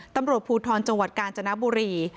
ตำรวจภูทรจังหวัดกาญจนบุรี